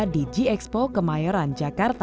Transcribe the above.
di g expo kemayoran jakarta